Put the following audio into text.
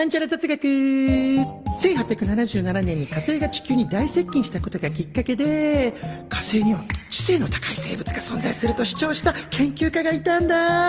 １８７７年に火星が地球に大接近したことがきっかけで火星には知性の高い生物が存在すると主張した研究家がいたんだ。